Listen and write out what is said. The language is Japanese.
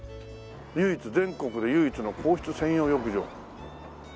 唯一全国で唯一の皇室専用浴場。